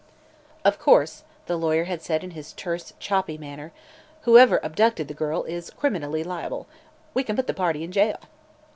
"Of course," the lawyer had said in his terse, choppy manner, "whoever abducted the girl is, criminally liable. We can put the party in jail."